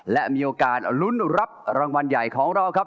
และมีโอกาสลุ้นรับรางวัลใหญ่ของเราครับ